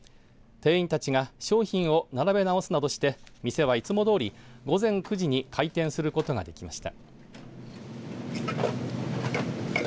店員たちが商品を並べ直すなどして店はいつもどおり午前９時に開店することができました。